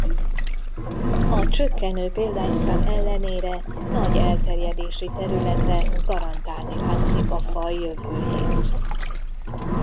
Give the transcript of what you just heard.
A csökkenő példányszám ellenére nagy elterjedési területe garantálni látszik a faj jövőjét.